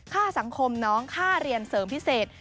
ค่าสังคมน้องค่าเรียนเสริมพิเศษ